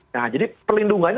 nah jadi perlindungannya